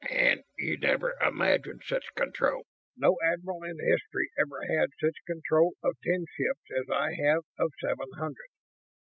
Man, you never imagined such control! No admiral in history ever had such control of ten ships as I have of seven hundred.